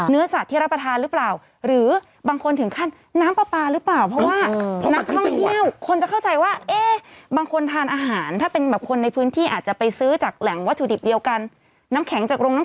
เนื้อสัตว์ที่รับประทานหรือเปล่า